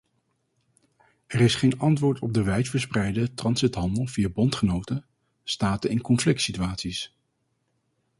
Er is geen antwoord op de wijdverspreide transithandel via bondgenoten, staten in conflictsituaties.